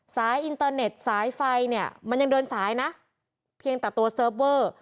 อินเตอร์เน็ตสายไฟเนี่ยมันยังเดินสายนะเพียงแต่ตัวเซิร์ฟเวอร์